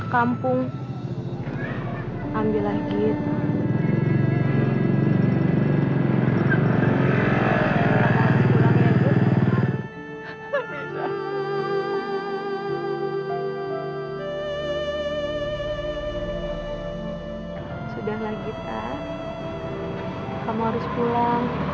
kamu harus pulang